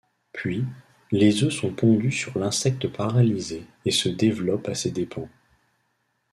Puis, les œufs sont pondus sur l'insecte paralysé et se développent à ses dépens.